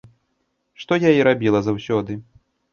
Што я і рабіла заўсёды.